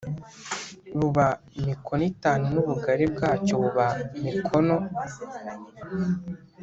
buba mikono itanu n ubugari bwacyo buba mikono